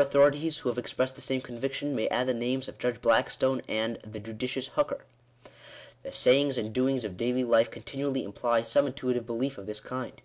authorities who have expressed the same conviction, may add the names of Judge Blackstone and " the judicious Hooker." The sayings and doings of daily life continually imply some intuitive belief of this kind.